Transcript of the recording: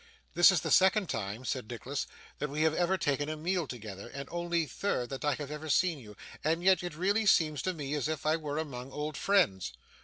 'This is the second time,' said Nicholas, 'that we have ever taken a meal together, and only third I have ever seen you; and yet it really seems to me as if I were among old friends.